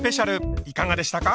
いかがでしたか？